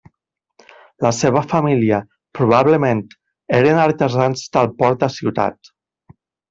La seva família, probablement, eren artesans del port de Ciutat.